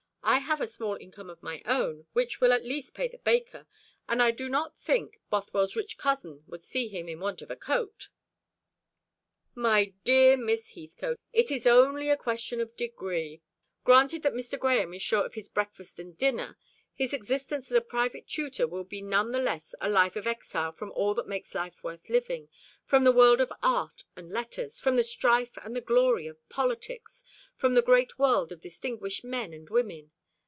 I have a small income of my own, which will at least pay the baker; and I do not think Bothwell's rich cousin would see him in want of a coat." "My dear Miss Heathcote, it is only a question of degree. Granted that Mr. Grahame is sure of his breakfast and dinner, his existence as a private tutor will be none the less a life of exile from all that makes life worth living from the world of art and letters, from the strife and the glory of politics, from the great world of distinguished men and women.